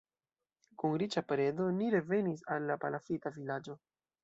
Kun riĉa predo ni revenis al la palafita vilaĝo.